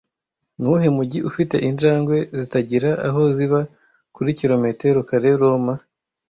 Nuwuhe mujyi ufite injangwe zitagira aho ziba kuri kilometero kare Roma